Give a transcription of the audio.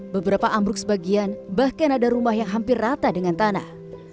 beberapa ambruk sebagian bahkan ada rumah yang hampir rata dengan tanah